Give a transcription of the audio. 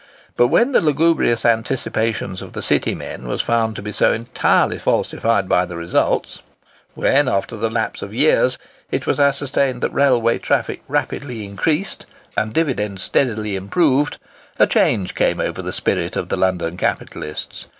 But when the lugubrious anticipations of the City men were found to be so entirely falsified by the results—when, after the lapse of years, it was ascertained that railway traffic rapidly increased and dividends steadily improved—a change came over the spirit of the London capitalists.